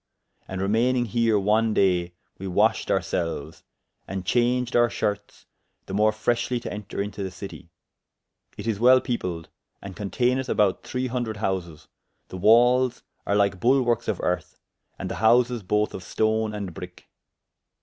And remayning here one day, we washed ourselves, and changed our shertes, the more freshely to enter into the citie; it is well peopled, and conteyneth about three hundred houses; the walles are lyke bulwarkes of earth, and the houses both of stone and bricke.